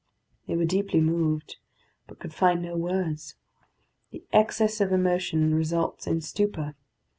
They were deeply moved, but could find no words. The excess of emotion results in stupor.